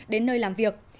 đến nơi làm việc